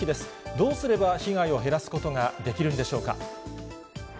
どうすれば被害を減らすことができるんでしょうか。